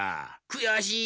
くやしい！